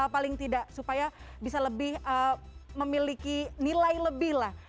paling tidak supaya bisa lebih memiliki nilai lebih lah